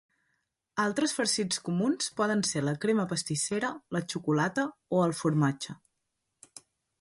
Altres farcits comuns poden ser la crema pastissera, la xocolata o el formatge.